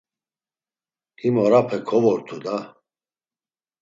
Him orape kovortu da.